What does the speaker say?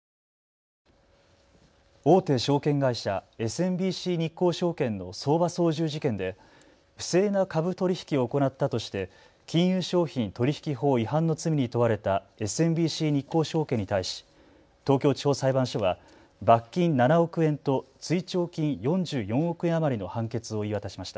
大手証券会社、ＳＭＢＣ日興証券の相場操縦事件で不正な株取り引きを行ったとして金融商品取引法違反の罪に問われたＳＭＢＣ日興証券に対し東京地方裁判所は罰金７億円と追徴金４４億円余りの判決を言い渡しました。